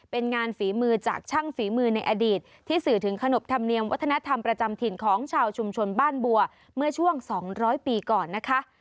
เป็นงานฝีมือจากช่างฝีมือในอดีตที่สื่อถึงขนบธรรมเนียมวัฒนธรรมประจำถิ่นของชาวชุมชนบ้านบัวเมื่อช่วง๒๐๐ปีก่อนนะคะ